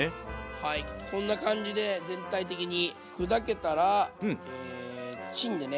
はいこんな感じで全体的に砕けたらチンでね